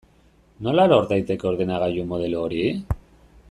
Nola lor daiteke ordenagailu modelo hori?